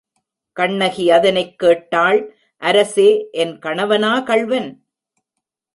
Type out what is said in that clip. கண்ணகி அதனைக் கேட்டாள் அரசே, என் கணவனா கள்வன்?